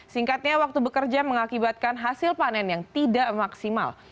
singkatnya waktu bekerja mengakibatkan hasil panen yang tidak maksimal